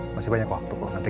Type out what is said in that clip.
mentok dulu kanan